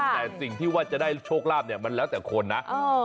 แต่สิ่งที่ว่าจะได้โชคลาภเนี่ยมันแล้วแต่คนนะ